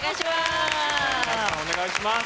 お願いします。